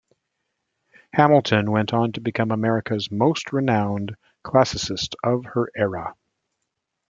Hamilton went on to become America's most renowned classicist of her era.